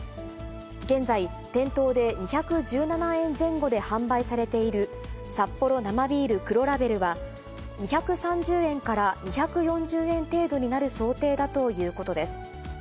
現在、店頭で２１７円前後で販売されているサッポロ生ビール黒ラベルは、２３０円から２４０円程度になる想定だということです。